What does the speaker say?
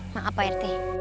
maaf pak rt